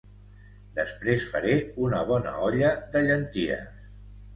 Després faré una bona olla de llenties